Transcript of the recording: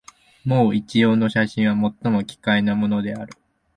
もう一葉の写真は、最も奇怪なものである